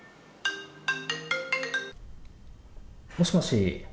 もしもし。